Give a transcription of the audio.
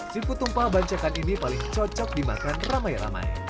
seafood tumpah bancakan ini paling cocok dimakan ramai ramai